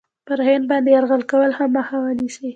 پر هند باندي یرغل کولو مخه ونیسي.